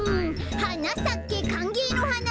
「はなさけかんげいのはな」